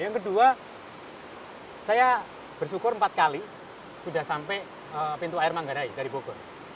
yang kedua saya bersyukur empat kali sudah sampai pintu air manggarai dari bogor